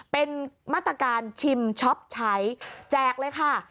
เป็นมาตรการชิมช็อปใช้แจกเลยค่ะ